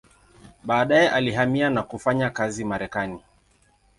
Baadaye alihamia na kufanya kazi Marekani.